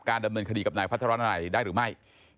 ดำเนินคดีกับนายพัฒนานัยได้หรือไม่